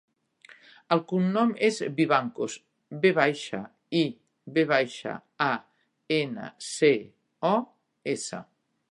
El cognom és Vivancos: ve baixa, i, ve baixa, a, ena, ce, o, essa.